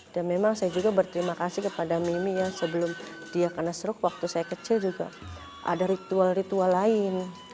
dan memang saya juga berterima kasih kepada mimi ya sebelum dia kena seruk waktu saya kecil juga ada ritual ritual lain